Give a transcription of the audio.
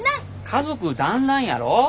家族団らんやろ？